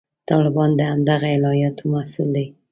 طالبان د همدغه الهیاتو محصول دي.